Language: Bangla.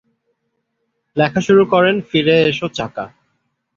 লেখা শুরু করেন 'ফিরে এসো চাকা'।